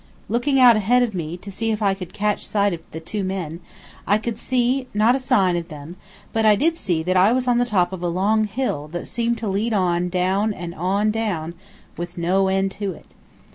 Looking out ahead of me, to see if I could catch sight of the two men, I could not see a sign of them, but I did see that I was on the top of a long hill that seemed to lead on and down and on and down, with no end to it.